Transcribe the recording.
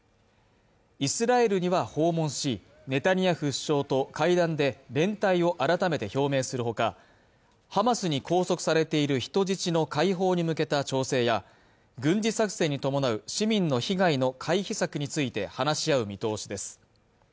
イスラエルには訪問しネタニヤフ首相と会談で連帯を改めて表明するほかハマスに拘束されている人質の解放に向けた調整や軍事作戦に伴う市民の被害の回避策について話し合う見通しです